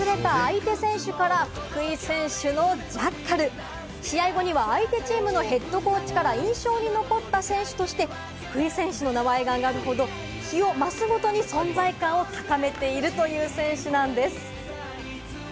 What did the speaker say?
タックルで崩れた相手選手から福井選手のジャッカル、試合後には相手チームのヘッドコーチから印象に残った選手として福井選手の名前が挙がるほど日増しに存在感を高めている選手なんです。